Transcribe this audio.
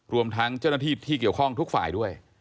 รวมทั้งเจ้าหน้าที่ที่เกี่ยวข้องทุกฝ่ายด้วย